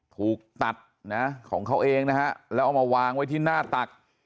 ถูกตัดนะของเขาเองนะฮะแล้วเอามาวางไว้ที่หน้าตัก